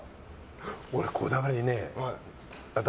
俺、こだわりね。